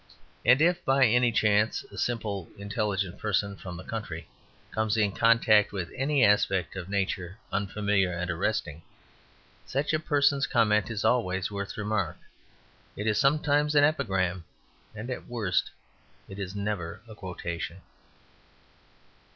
And if by any chance a simple intelligent person from the country comes in contact with any aspect of Nature unfamiliar and arresting, such a person's comment is always worth remark. It is sometimes an epigram, and at worst it is never a quotation.